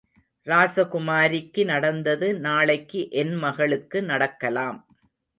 ராசகுமாரிக்கு நடந்தது நாளைக்கு என் மகளுக்கு நடக்கலாம்.